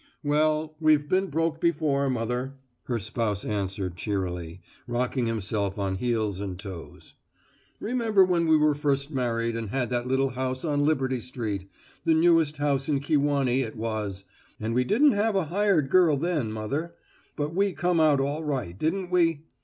"Well, we've been broke before, mother," her spouse answered cheerily, rocking himself on heels and toes. "Remember when we were first married and had that little house on Liberty Street the newest house in Kewanee it was; and we didn't have a hired girl, then, mother. But we come out all right, didn't we?"